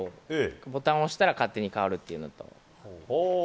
ボタンを押したら勝手に変わるっていう。